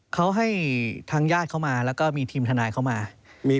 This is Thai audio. เขาให้ทางญาติเขามาแล้วก็มีทีมทนายเข้ามา